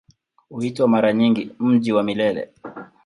Huitwa mara nyingi "Mji wa Milele".